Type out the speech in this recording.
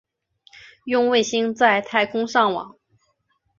用卫星在太空上网